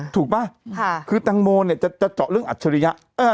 ถูกป่ะค่ะคือแตงโมเนี่ยจะจะเจาะเรื่องอัตชริยะเอ้อ